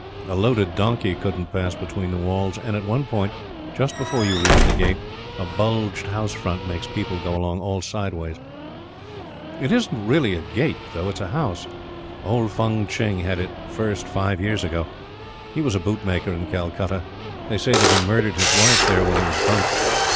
A loaded donkey couldn't pass between the walls; and, at one point, just before you reach the Gate, a bulged house front makes people go along all sideways. It isn't really a gate though. It's a house. Old Fung Tching had it first five years ago. He was a boot maker in Calcutta. They say that he murdered his wife there when he was drunk.